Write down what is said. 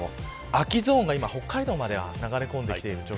秋ゾーンが北海道まで流れ込んできています。